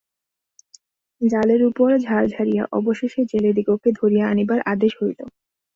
জালের উপর ঝাল ঝাড়িয়া অবশেষে জেলেদিগকে ধরিয়া আনিবার আদেশ হইল।